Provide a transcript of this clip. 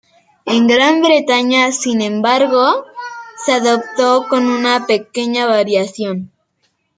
En Gran Bretaña sin embargo se adoptó con una pequeña variación.